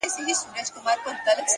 • شېبه وروسته دی خزان وای ,